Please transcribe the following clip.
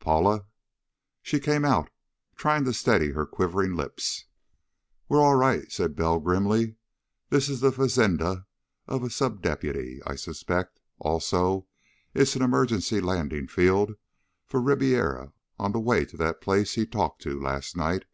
"Paula." She came out, trying to steady her quivering lips. "We're all right," said Bell grimly. "This is the fazenda of a sub deputy. I suspect, also, it's an emergency landing field for Ribiera on the way to that place he talked to last night.